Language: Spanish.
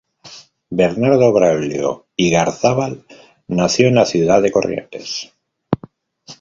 Bernardo Braulio Igarzábal nació en la ciudad de Corrientes.